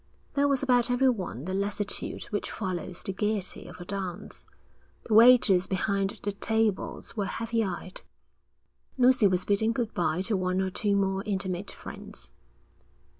There was about everyone the lassitude which follows the gaiety of a dance. The waiters behind the tables were heavy eyed. Lucy was bidding good bye to one or two more intimate friends.